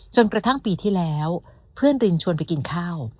จนกระทั่งปีที่แล้วเพื่อนรินชวนไปกินข้าว